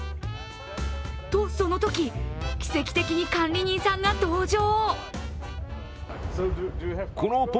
と、そのとき、奇跡的に管理人さんが登場。